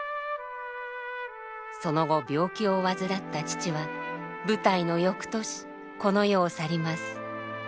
その後病気を患った父は舞台の翌年この世を去ります。